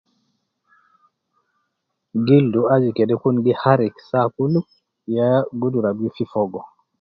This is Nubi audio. Gildu aju kede kun gi harik saa kul, ya gudura gi fi fogo